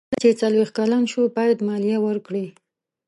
کله چې څلویښت کلن شو باید مالیه ورکړي.